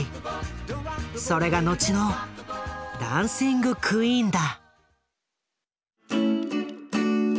それが後の「ダンシング・クイーン」だ。